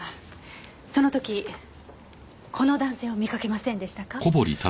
その時この男性を見かけませんでしたか？